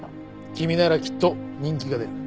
君ならきっと人気が出る。